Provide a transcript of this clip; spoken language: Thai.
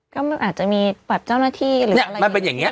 ก็มันอาจจะมีผัดเจ้าหน้าที่เนี้ยมันเป็นอย่างเงี้ย